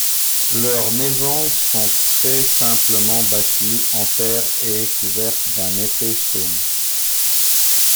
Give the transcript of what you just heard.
Leurs maisons sont très simplement bâties en terre et couvertes d’un épais chaume.